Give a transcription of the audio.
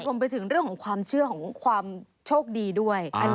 รวมไปถึงเรื่องของความเชื่อของความโชคดีด้วย